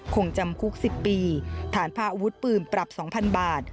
คงจำคุก๑๐ปีฐานพาอาวุธปืนปรับ๒๐๐๐บาท